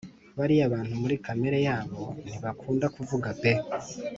bariya bantu muri kamere yabo ntibakunda kuvuga pe